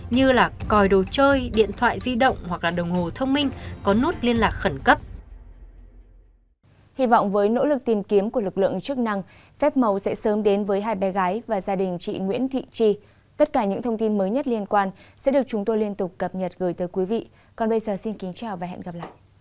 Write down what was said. như còi đồ chơi điện thoại di động hoặc đồng hồ thông minh có nút liên lạc khẩn cấp